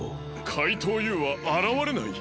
かいとうＵはあらわれない？